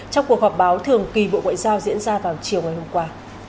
trong cuộc họp báo thường kỳ bộ ngoại giao diễn ra vào chiều ngày hôm qua